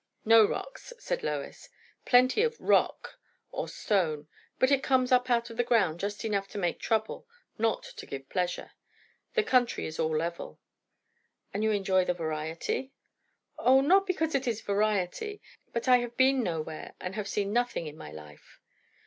"No rocks," said Lois; "plenty of rock, or stone; but it comes up out of the ground just enough to make trouble, not to give pleasure. The country is all level." "And you enjoy the variety?" "O, not because it is variety. But I have been nowhere and have seen nothing in my life."